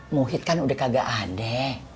muhit kan udah kagak ada